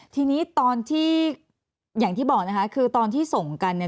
ทีนี้ตอนที่อย่างที่บอกนะคะคือตอนที่ส่งกันเนี่ย